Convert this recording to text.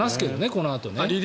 このあとね。